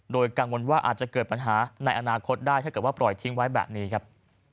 โดยกังวลว่าอาจจะเกิดปัญหาในอนาคตได้ถ้าเกิดว่าปล่อยทิ้งไว้แบบนี้ครับ